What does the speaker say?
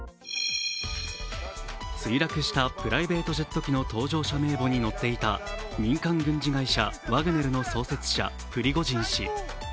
墜落したプライベートジェット機の搭乗者名簿に載っていた民間軍事会社ワグネルの創設者・プリゴジン氏。